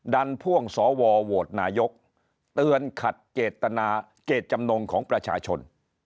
พ่วงสวโหวตนายกเตือนขัดเจตนาเกตจำนงของประชาชน